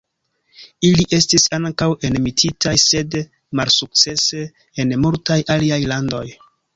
Ili estis ankaŭ enmetitaj sed malsukcese en multaj aliaj landoj.